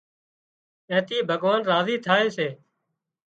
اين ٿِي ڀڳوان راضي ٿائي سي